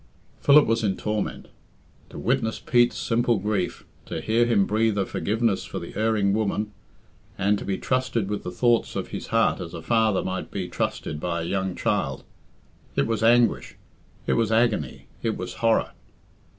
Philip was in torment. To witness Pete's simple grief, to hear him breathe a forgiveness for the erring woman, and to be trusted with the thoughts of his heart as a father might be trusted by a young child it was anguish, it was agony, it was horror.